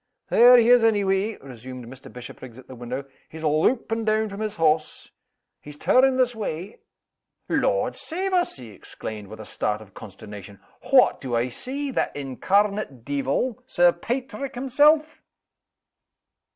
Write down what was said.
"There he is, any way," resumed Mr. Bishopriggs, at the window. "He's loupin' down from his horse. He's turning this way. Lord save us!" he exclaimed, with a start of consternation, "what do I see? That incarnate deevil, Sir Paitrick himself!"